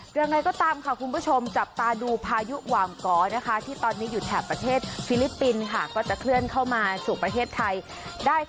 ยังไงก็ตามค่ะคุณผู้ชมจับตาดูพายุหว่างกอนะคะที่ตอนนี้อยู่แถบประเทศฟิลิปปินส์ค่ะก็จะเคลื่อนเข้ามาสู่ประเทศไทยได้